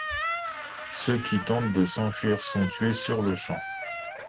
Ceux qui tentent de s’enfuir sont tués sur-le-champ.